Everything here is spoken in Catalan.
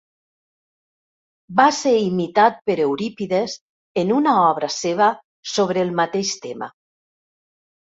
Va ser imitat per Eurípides en una obra seva sobre el mateix tema.